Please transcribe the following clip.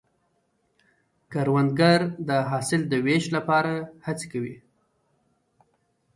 کروندګر د حاصل د ویش لپاره هڅې کوي